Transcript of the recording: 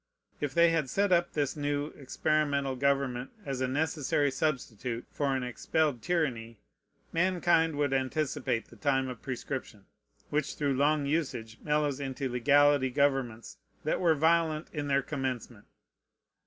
If they had set up this new, experimental government as a necessary substitute for an expelled tyranny, mankind would anticipate the time of prescription, which through long usage mellows into legality governments that were violent in their commencement.